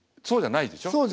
そうじゃないです。